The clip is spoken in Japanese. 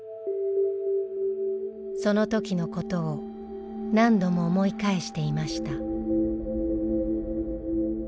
その時のことを何度も思い返していました。